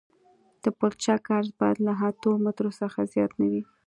د پلچک عرض باید له اتو مترو څخه زیات نه وي